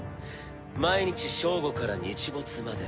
毎日正午から日没まで。